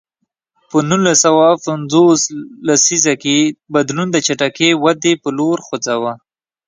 په نولس سوه پنځوس لسیزه کې بدلون د چټکې ودې په لور خوځاوه.